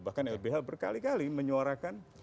bahkan lbh berkali kali menyuarakan